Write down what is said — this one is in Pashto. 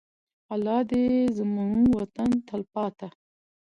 الله دې زموږ وطن ته تلپاته.